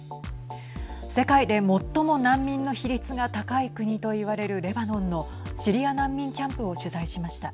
世界で最も難民の比率が高い国といわれるレバノンのシリア難民キャンプを取材しました。